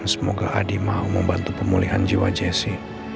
semoga adi mau membantu pemulihan jiwa jessi